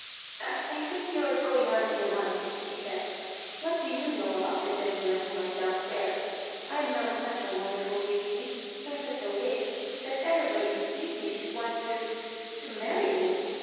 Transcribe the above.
" I think you are going out of your mind, " she said. " What do you know about the gen tleman who went down stairs? I am not such a wonderful beauty, nor such a witch, that everybody who sees me should want to— to marry me.